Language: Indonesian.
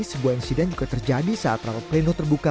sebuah insiden juga terjadi saat ramepleno terbuka